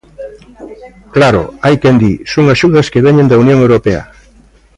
Claro, hai quen di: son axudas que veñen da Unión Europea.